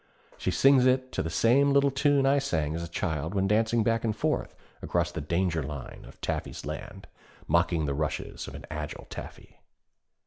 She sings it to the same little tune I sang as a child when dancing back and forth across the danger line of Taffy's land, mocking the rushes of an agile Taffy.